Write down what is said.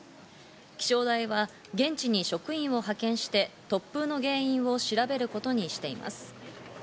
気象台は現地に職員を派遣して突風の原因を調べることにしています。